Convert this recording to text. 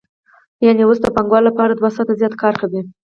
یانې اوس د پانګوال لپاره دوه ساعته زیات کار کوي